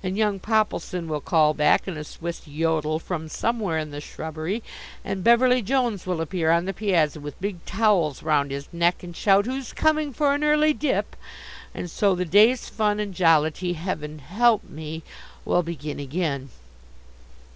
And young Poppleson will call back in a Swiss yodel from somewhere in the shrubbery, and Beverly Jones will appear on the piazza with big towels round his neck and shout, "Who's coming for an early dip?" And so the day's fun and jollity heaven help me will begin again.